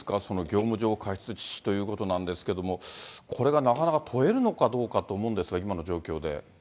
業務業過失致死ということなんですが、これがなかなか問えるのかどうかと思うんですが、今の状況で。